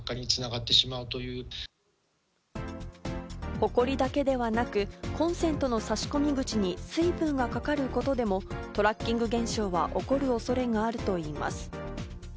ホコリだけではなく、コンセントの差込口に水分がかかることでも、トラッキング現象は起こる恐れがあるといいます。